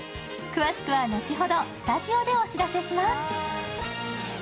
詳しくは後ほどスタジオでお知らせします。